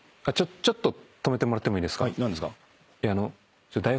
止めてもらってもいいですか。